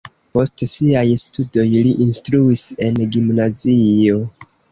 Post siaj studoj li instruis en gimnazio.